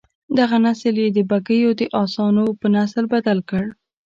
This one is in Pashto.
دغه نسل یې د بګیو د اسانو په نسل بدل کړ.